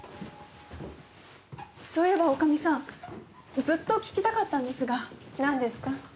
そういえば女将さんずっと聞きたかったんですが何ですか？